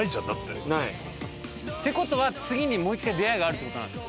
って事は次にもう１回出会いがあるって事なんですよ。